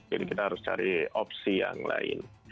jadi kita harus cari opsi yang lain